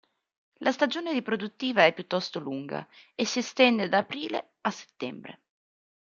La stagione riproduttiva è piuttosto lunga e si estende da aprile a settembre.